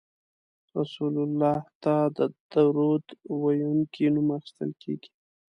رسول الله ته د درود ویونکي نوم اخیستل کیږي